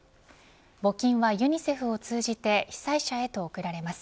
募金はユニセフを通じて被災者へと送られます。